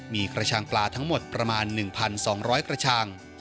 มีกระชังปลาทั้งหมดประมาณ๑๒๐๐กระชัง